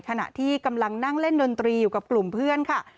ขณะที่กำลังนั่งเล่นดนตรีอยู่กับกลุ่มเพื่อนค่ะ